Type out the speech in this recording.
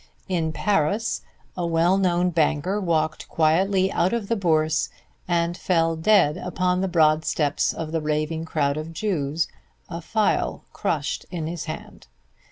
In Paris a well known banker walked quietly out of the Bourse and fell dead upon the broad steps among the raving crowd of Jews, a phial crushed in his hand.